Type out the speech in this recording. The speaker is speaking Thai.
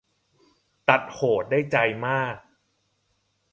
ตัดโหดได้ใจมาก